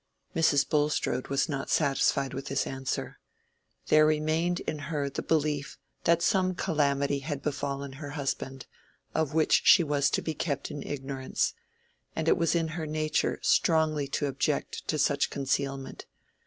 Mrs. Bulstrode was not satisfied with this answer. There remained in her the belief that some calamity had befallen her husband, of which she was to be kept in ignorance; and it was in her nature strongly to object to such concealment.